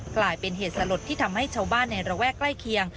กลายเป็นเหตุสลดที่ทำให้ชาวบ้านในระแวกใกล้เคียง